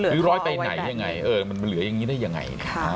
หรือร้อยไปไหนยังไงเออมันเหลือยังงี้ได้ยังไง